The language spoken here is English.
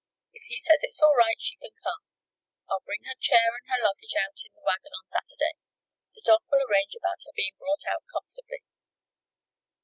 "If he says it's all right, she can come. I'll bring her chair and her luggage out in the wagon on Saturday. The Doc. will arrange about her being brought out comfortably."